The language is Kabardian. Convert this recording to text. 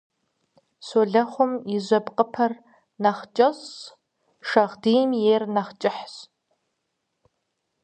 Щолэхъум и жьэпкъыпэр нэхъ кӀэщӀщ, шагъдийм ейр нэхъ кӀыхьщ.